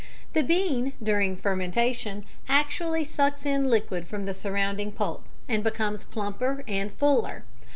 The bean, during fermentation, actually sucks in liquid from the surrounding pulp and becomes plumper and fuller.